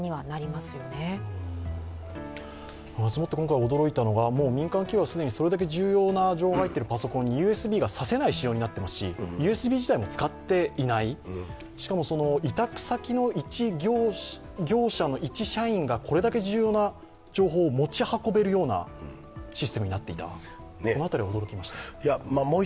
まずもって今回驚いたのはもう民間企業はそれだけ重要な情報が入っているパソコンにＵＳＢが差せないようになっていますしＵＳＢ自体も使っていない、しかも、委託先の一業者の一社員がこれだけ重要な情報を持ち運べるようなシステムになっていたこの辺りは驚きました。